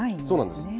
そうなんです。